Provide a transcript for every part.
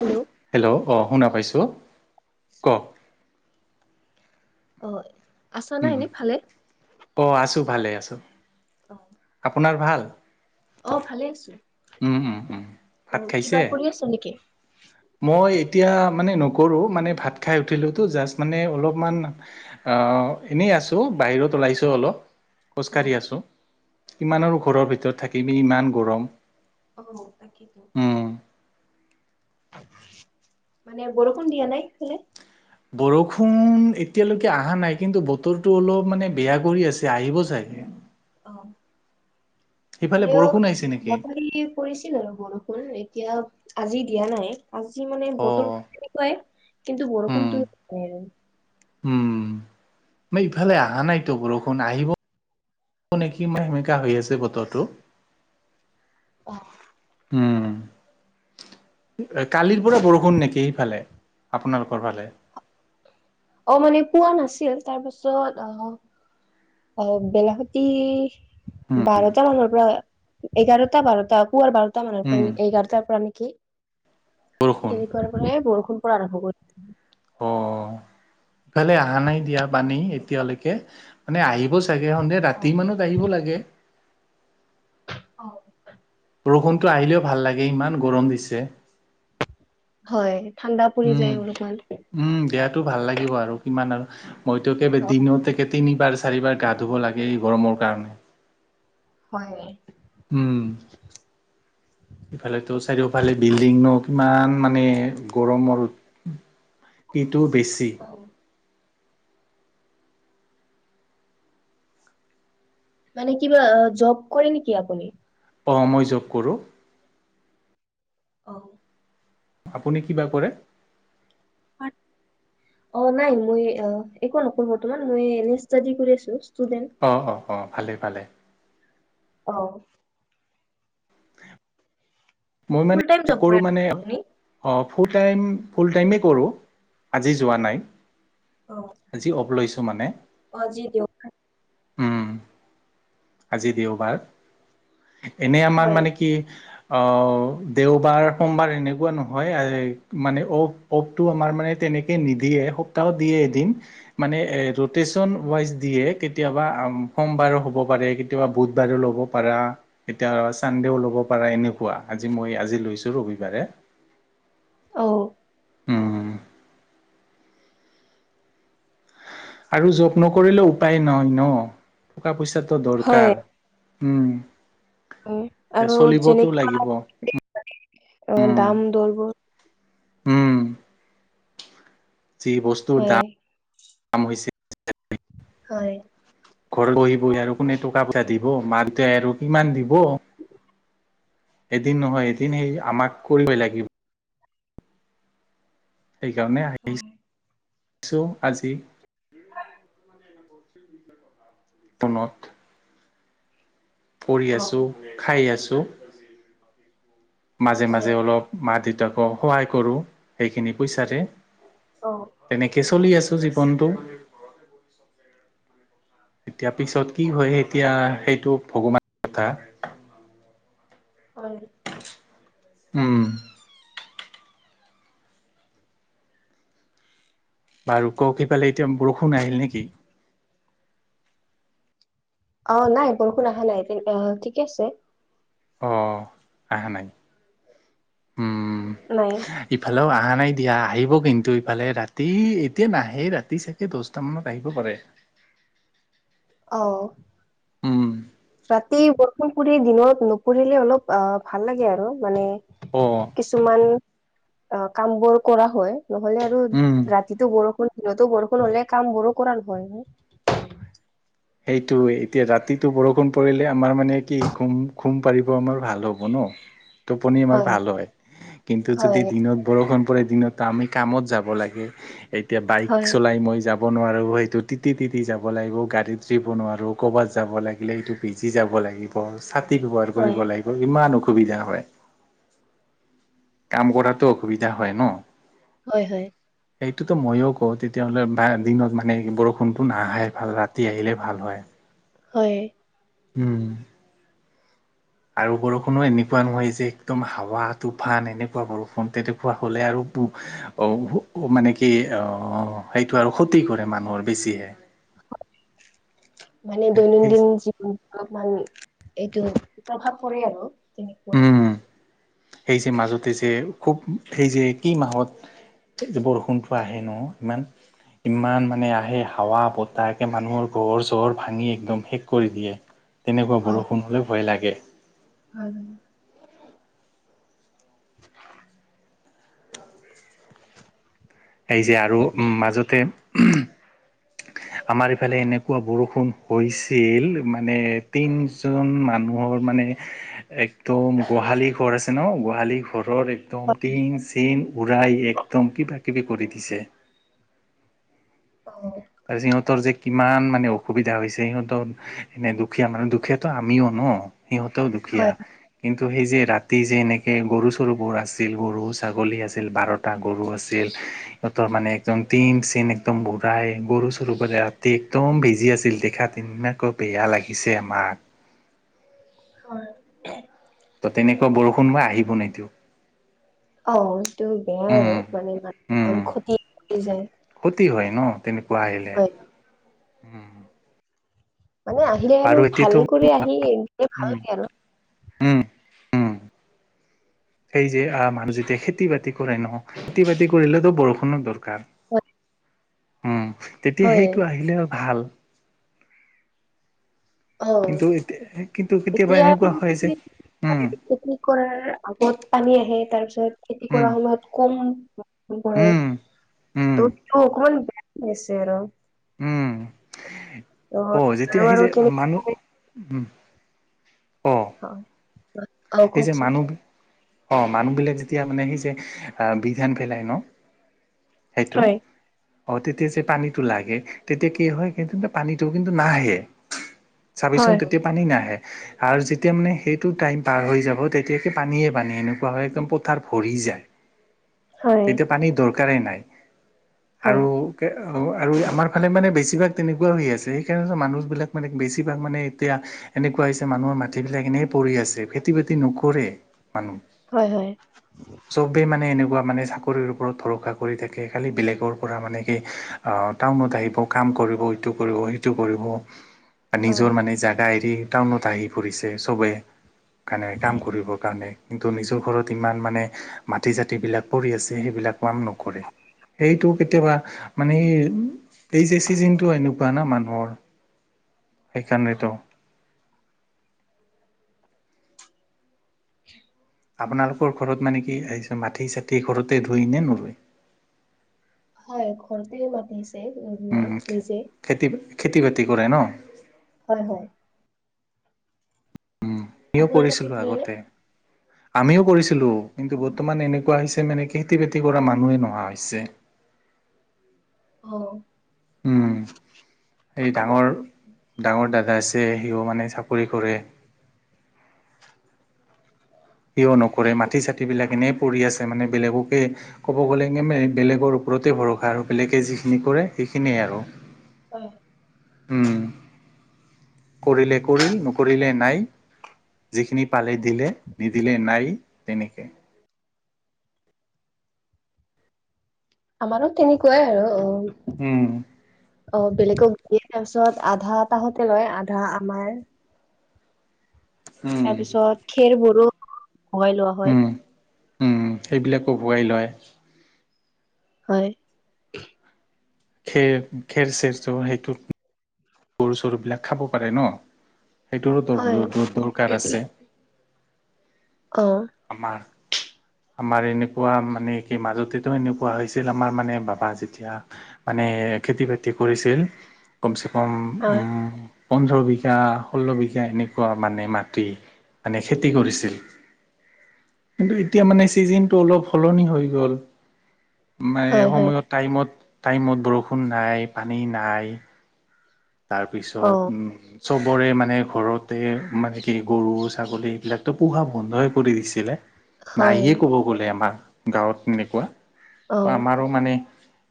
Hello hello, অ' শুনা পাইছোঁ। কওক হয়। আছা না এনে ভালে। অ আছোঁ ভালে আছোঁ, আপোনাৰ ভাল। অ' ভালে আছো। উম উম- উম ত ভাত কিবা খাইছে, কৰি আছ নেকি মই এতিয়া মানে ন কৰো মানে ভাত খাই উঠিলোতো জাষ্ট মানে অলপমান অ এনেই আছো বাহিৰত উলাইছো অলপ। অ খোজকাঢ়ি আছোঁ, কিমান আৰু ঘৰৰ ভিতৰত থাকিবি ইমান গৰম। অ' তাকেইটো। উম মানে বৰষুণ দিয়া নাই [unintelligible] বৰষুণ এতিয়ালৈকে অহা নাই, কিন্তু বতৰটো অলপ মানে বেয়া কৰি আছে আহিব চাগে। অ'। সেইফালে ইফালেও বৰষুণ আহিছে নেকি [unintelligible] পৰিছিল আৰু বৰষুণ এতিয়া আজি দিয়া নাই। আজি মানে অ বতৰটো তেনেকুৱাই কিন্তু উম বৰষুনটো উম, আমাৰ ইফালে অহা নাইতো বৰষুণ আহিব নেকি ম সেমেকা হৈ আছে বতৰটো। হম। কালিৰ পৰা বৰষুণ নেকি সেইফালে আপোনালোকৰ ফালে। অ' মানে পোৱা নাছিল তাৰ পিছত আ অ' বেলাসতি বাৰটা মানৰ পৰা এঘাৰটা বাৰটা পুুৱাৰ বাৰটা মানৰ উম, পৰা এঘাৰটাৰ পৰা বৰষুণ তেনেকুৱাৰ পৰাই বৰষুণ পৰা আৰম্ভ কৰি অ' ইফালে অহা নাই দিয়া পানী এতিয়ালৈকে মানে আহি ব চাগে সন্ধিয়া ৰাতি অ'। মানত আহিব লাগে। অ'। বৰষুণটো আহিলেও ভাল লাগে, ইমান গৰম দিছে। হয়, ঠাণ্ডা পৰি যায় অলপমান। টো ভাল লাগিব আৰু কিমান আৰু মই টো কে অ', দিনতে তিনিবাৰ চাৰিবাৰ গা ধুব লাগে এই গৰমৰ কাৰণে। হয়। উম। [inaudible] ইফালেটো চাৰিওফালে বিল্ডিং ন কিমান মানে গৰমৰ ইটো বেছি। মানে কিবা জব কৰে নেকি আপুনি। অ', মই জব কৰো। অ'। আপুনি কিবা কৰে। [inaudible] অ', নাই মই অ', একো নকৰো বৰ্তমান মই এনে ষ্টাডি কৰি আছো। ষ্টুডেন্ট। অ', অ'-অ', ভালে-ভালে। অ'। মই ফুল মানে, টাইম জব কৰো কৰে মানে নেকি আপুনি? অ' ফুল টাইম ফুল টাইমেই কৰোঁ, আজি যোৱা নাই। অ', আজি অফ লৈছো। অ', আজি দেওবাৰ উম', আজি দেওবাৰ। এনেই আমাৰ হয়। মানে কি অ' দেওবাৰ, সোমবাৰ এনেকুৱা নহয়। [unintelligible] মানে অফ অফটো আমাৰ মানে তেনেকে নিদি দিয়ে। সপ্তাহত দিয়ে এদিন। মানে এ' ৰটেছন অৱাইজ দিয়ে। কেতিয়াবা সোমবাৰো হ'ব হ'ব পাৰে। কেতিয়াবা বুধবাৰেও ল'ব পাৰা, কেতিয়াবা চানদেও ল'ব পাৰা এনেকুৱা। আজি মই আজি লৈ ছো ৰবিবাৰে। অ' উম' আৰু জব নকৰিলে উপায় নাই ন', টকা পইচাটো হয়, দৰকাৰ। উম' হয়। এতিয়া আৰু চলিবতো যেনেকুৱা লাগিব উম [unintelligible] অ', দাম দৰবোৰ উম' যি বস্তুৰ দা হয়। দাম হৈছে হয়, ঘৰত বহি বহি আৰু কোনে টকা পইচা দিব, মা দেউতাই আৰু ইমান দিব, এদিন নহয় এদিন সেই আমাক কৰিবই লাগিব। সেইকাৰণে আহি অ', আহিছো আজি [unintelligible] পঢ়ি আছো, খাই আছো। মাজে হয়, মাজে অলপ মা-দেউতাকো সহায় কৰোঁ সেইখিনি পইচাৰে। অ' কে চলি আছো জীৱনটো। এতিয়া পিছত কি হয় এতিয়া সেইটো ভগৱানৰ কথা। হয়। উম' বাৰু ক'ক সিফালে এতিয়া বৰষুণ আহিল নেকি? অ', নাই বৰষুণ অহা নাই, [unintelligible] অহ' ঠিকে আছে। অ' আহা নাই। উম', নাই। ইফালেও আ আহা নাই দিয়া, আহিব কিন্তু ইফালে ৰাতি এতিয়া নাহে ৰাতি চাগে দছটামানত আহিব পাৰে। [inaudible] অ' উম' ৰাতি বৰষুণ পুৰি দিনত নপৰিলে অলপ অ' ভাল লাগে আৰু মানে অ কিছুমান কামবোৰ কৰা হয়। নহ'লে আৰু উম ৰাতিতো বৰষুণ দিনটো বৰষুণ হ'লে কামবোৰো কৰাৰ [unintelligible] হয়। সেইটোৱে এতিয়া ৰাতিটো বৰষুণ পৰিলে আমাৰ মানে কি খুম খুম পাৰিব আমাৰ ভাল হ'ব ন' [unintelligible] টোপনি আমাৰ ভাল হয়। কিন্তু, যদি হয় দিনত বৰষুণ পৰে দিনত আমি কামত যাব লাগে, এতিয়া বাইক হয় চলাই মই যাম ব নোৱাৰো সেইটো তিতি তিতি যাব লাগিব গাড়ী িক ভাৰ কৰি হয় বলাগ ইমান অসুবিধা হয় কাম কৰাতো অসুবিধা হয় ন হয় হয় সটোতো ময়ো কওঁ তেতিয়াহ'লে বা দিনত মানে বৰষুণব নাহে ভাল ৰাতি আহিলে ভাল হয় হয় উম আৰু বৰষুণো এনেকুৱা নহয় যে, একদম হাৱা- তুফান, এনেকুৱা বৰষুণ তেনেকুৱা হ'লে আৰু অ' মানে কি আহ সেইটো আৰু ক্ষতি কৰে মানুহৰ বেছিহে। মানে সেই দৈনন্দিন জীৱ অলপমান এইটো প্ৰভাৱ পৰে আৰু তেনেকুৱা। উম সেই যে মাজতে যে খুব সেই যে কি মাহত যে বৰষুণটো আহে ন ইমান ইমান মানে আহে হাৱা-বতাহ, মানুহৰ ঘৰ-চৰ ভাঙি একদম শেষ কৰি দিয়ে। তেনেকুৱা বৰষুণলৈ ভয় লাগে। অ'। [inaudible] এই যে আৰু উম মাজতে [inaudible] আমাৰ ইফালে এনেকুৱা বৰষুণ হৈছিল মানে তিনজন মানুহৰ মানে একদম গোহালি ঘৰ আছে ন গোহালি ঘৰৰ একদম হয় টিন-চিন উৰাই একদম কি ব কৰি দিছে। অ সিহঁতৰ যে কিমান মানে অসুবিধা হৈছে, সিহঁতৰ এনেই দুখীয়া মানে দুখীয়াতো আমিও ন'। সিহঁতেও দুখীয়া হয় কিন্তু ত' সেই যে ৰাতি যে এনেকৈ গৰু, চৰুবোৰ আছিল। গৰু, ছাগলী আছিল বাৰটা গৰু আছিল। সিহঁতৰ মানে একদম টিন-চিন একদম উৰাই গৰু, চৰু পৰাৰে ৰাতি একদম ভিজি আছিল। দেখাত এনেকৈ বেয়া লাগিছে আমাৰ হয়। ত তেনেকুৱা বৰষুণ বাই আহিব নিদিও। অ' সেইটো বেয়াই আৰু মানে ই উম ইমান ক্ষতি হৈ যায়। অ' তেনেকুৱা আহিলে হয় উ'। মানে আহিলে আৰু ভাল কৰি আহি ভাল লাগে আৰু উম-উম। [inaudible] সেই যে আহ মানুহ যেতিয়া খেতি-বাতি কৰে ন' খেতি-বাতি কৰিলেতো বৰষুণৰ দৰকাৰ। অ'। উম, তেতিয়া সেইটো আহিলে ভাল। অ', কিন্তু এতিয়া কিন্তু কেতিয়াবা এতিয়া আৰু এনেকুৱা কি হয় যে। উম খেতি কৰাৰ আগত পানী আহে, তাৰপিছত খেতি উম কৰা সময়ত কম উম উম ত অকমান বেয়াছে আৰু ত' অ' যেতিয়া আৰু আহি আৰু যায় কেনেকে মানুহ হয়, অ হয়। এই যে মানুহ অ' মানুহবিলাক যেতিয়া মানে সেই যে আহ বিধান পেলাই ন'। সেইটো হয়, অ' তেতিয়া যে পানীটো লাগে, তেতিয়া কি হয় কি পানীটো কিন্তু নাহে। চাবিচোন হয়, তেতিয়া পানী নাহে আৰু যেতিয়া মানে সেইটো টাইম পাৰ হৈ যাব, তেতিয়া কি পানীয়ে পানী, এনেকুৱা হয় একদম পথাৰ ভৰি যায়। হয়, তেতিয়া পানীৰ দৰকাৰেই নাই। হয়, আৰু আৰু আমাৰ ফালে মানে বেছি। বেছিভাগ তেনেকুৱা হৈ আছে, সেইকাৰণে মানুহবিলাক মানে বেছিভাগ মানে এতিয়া এনেকুৱা হৈছে মানুহৰ মাটি বিলাক এ এনেই পৰি আছে। খেতি-বাতি নকৰে মানুহ, হয়, হয়, চবে মানে এনেকুৱা মানে চাকৰিৰ ওপৰত ভৰষা কৰি থাকে, খালি বেলেগৰ পৰা মানে কি টাউনত আহিব, কাম কৰিব। ইটো কৰিব, সিটো কৰিব। বা হয়, নিজৰ মানে জোগা এৰি টাউনত আহি পৰিছে চবে মানে কাম হয়, কৰিবৰ কাৰণে কিন্তু নিজৰ ঘৰত ইমান মানে মাটি চাথী বিলাক পৰি আছে সেইবিলাক কাম নকৰে। সেইটো কেতিয়াবা মানে এই যে চিজনটো এনেকুৱা ন মানুহৰ সেইকাৰণেতো [inaudible] [inaudible] আপোনালোকৰ ঘৰত মানে কি এইযে মাটি চাটি ঘৰতে ধুই নে নুধুৱে। উম খেতি [inaudible] খেতি বাতি কৰে ন। হয়, হয়। আমিও আপোনাৰ তাতে কৰিছিলোঁ কৰে নে? আগতে আমিও কৰিছিলোঁ কিন্তু অ', বৰ্তমান এনেকুৱা হৈছে মানে খেতি বাতি কৰা মানুহে নোহোৱা হৈছে। অ',। উম এই ডাঙৰ ডাঙৰ দাদা আছে সিও মানে চাকৰি কৰে। সিও নকৰে মাটি চাটিবিলাক এনে পৰি আছে মানে বেলেগকে ক'ব গ'লে মানে বেলেগৰ ওপৰতে ভৰষা আৰু বেলেগে যিখিনি কৰে সেইখিনিয়ে আৰু হয়। উম। কৰিলে কৰিল নকৰিলে নাই যিখিনি পালে দিলে। নিদিলে নাই তেনেকে। আমাৰো তেনেকুৱাই আৰু অ',। উম। অ বেলেগক দিয়ে তাৰপিছত আধা তাহতে লয় আধা আমাৰ উম তাৰ পিছত খেৰ বোৰো ভগাই লোৱা হয়। উম উম। সেইবিলাকো ভগাই লয়। হয়। খেৰ, খেৰ চেৰ, চেৰ সেইটোত গৰু চৰুবিলাক খাব পাৰে ন। সেইটোৰো দৰ হয় দৰ দৰকাৰ আছে। অ আমাৰ [unintelligible] [inaudible] আমাৰ এনেকুৱা মানে কি মাজতেতো এনেকুৱা হৈছিল আমাৰ মানে বাবা যেতিয়া মানে। খেতি বাতি কৰিছিল কম চে কম হয় পোন্ধৰ বিঘা ষোল্ল বিঘা এনেকুৱা মানে মাটি মানে খেতি কৰিছিল। কিন্তু এতিয়া মানে ছিজনটো অলপ সলনি হৈ গ'ল। মানে হয় হয় সময়ত টাইমত টাইমত বৰষুণ নাই পানী নাই। অ তাৰপিছত চবৰে মানে ঘৰতে মানে কি গৰু ছাগলী এইবিলাকতো পোহা বন্ধই কৰি দিছিলে। হয় নাইে ক'ব গ'লে আমাৰ গাঁৱত এনেকুৱা অ আমাৰো মানে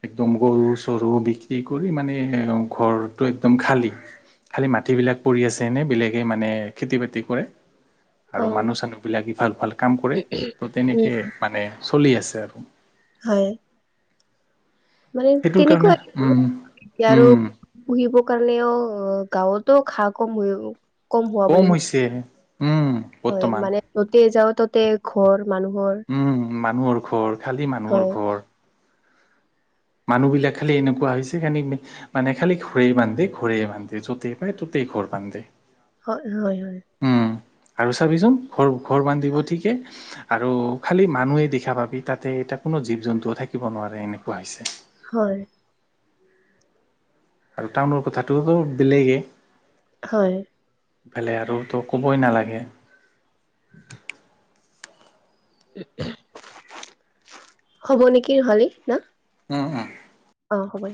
একদম গৰু চৰু বিক্ৰী কৰি মানে ঘৰ একদম খালী খালী মাটিবিলাক পৰি আছে এনে বেলেগে মানে খেতি বাতি কৰে। আৰু অ মানুহ চানুহ বিলাকে ভাল, ভাল কাম কৰে ত' উম তেনেকে মানে চলি আছে আৰু। হয়। মানে সেইটোৰ কাৰণে তেনেকুৱা উম আহিব আৰু উম পুহিব। কাৰণেও গাওঁতো খা ক ময়ো। কম হৈছে। উম হয় বৰ্তমান। মানে ততে যাওঁ ততে ঘৰ মানুহৰ। উম মানুহৰ ঘৰ, খালী মানুহৰ হয় ঘৰ। মানুহ বিলাক খালি এনেকুৱা হৈছে খানি মানে খালি ঘৰেই বান্ধে, ঘৰেই বান্ধে য'তেই পায় ত'তেই। কি ঘৰ পান দে। হয়, হয়, হয়। আৰু চাবিচোন ঘৰ, ঘৰ বান্ধিব ঠিকে আৰু খালি মানুহে দেখা পাবি তাতে এটা কোনো। কোনো জীৱ জন্তুও থাকিব নোৱাৰে এনেকুৱা হৈছে। হয়। আৰু টাউনৰ কথাটোতো বেলেগে। হয়। এফালে আৰু তো কবই নালাগে। হব নেকি নহলি ন। উম, উম। অ', হ'ব দে।